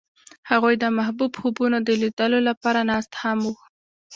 هغوی د محبوب خوبونو د لیدلو لپاره ناست هم وو.